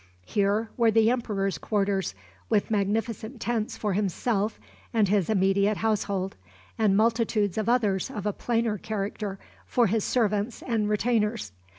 Here were the emperor's quarters, with magnificent tents for himself and his immediate household, and multitudes of others of a plainer character for his servants and retainers.